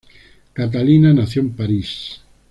Catalina nació en París.